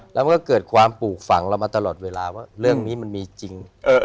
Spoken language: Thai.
แล้วมันก็เกิดความปลูกฝังเรามาตลอดเวลาว่าเรื่องนี้มันมีจริง